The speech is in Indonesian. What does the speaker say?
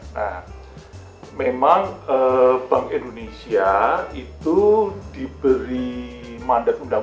nah memang bank indonesia itu diberi mandat undang undang